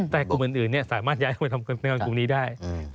แต่กลุ่มอื่นสามารถย้ายงานมาทำงานในกลุ่มนี้ได้